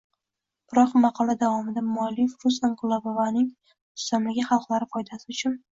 Biroq, maqola davomida muallif rus inqilobi va uning mustamlaka xalqlari foydasi uchun